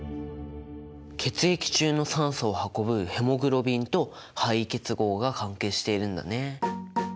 血液中の酸素を運ぶヘモグロビンと配位結合が関係しているんだね。